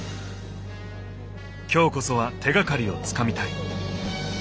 今日こそは手がかりをつかみたい。